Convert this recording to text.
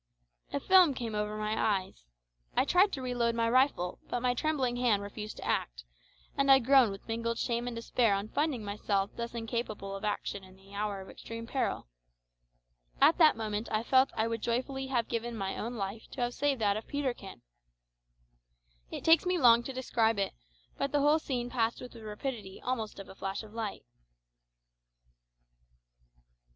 A film came over my eyes. I tried to reload my rifle, but my trembling hand refused to act, and I groaned with mingled shame and despair on finding myself thus incapable of action in the hour of extreme peril. At that moment I felt I would joyfully have given my own life to have saved that of Peterkin. It takes me long to describe it, but the whole scene passed with the rapidity almost of a flash of light.